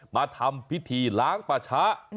มาทำพิธีล้างป่าช้า